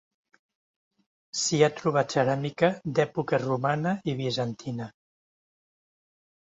S'hi ha trobat ceràmica d'èpoques romana i bizantina.